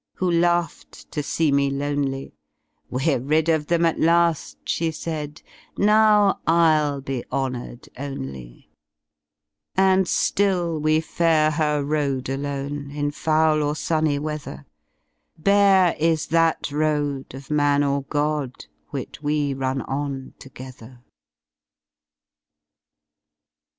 Who laughed to see me lonely, ''We're rid of them at laSl^' she said, "Now ril be honoured only,^'' And Hill we fare her road alone In foul or sunny xveather: Bare is that road of man or god Which zve run on to gether.